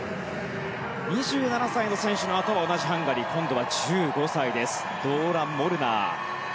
２７歳の選手のあと同じハンガリー今度は１５歳ドーラ・モルナー。